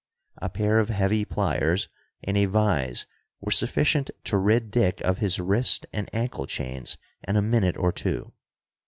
A pair of heavy pliers and a vise were sufficient to rid Dick of his wrist and ankle chains in a minute or two.